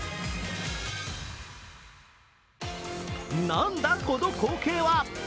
なんだ、この光景は？